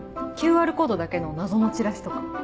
ＱＲコードだけの謎のチラシとか。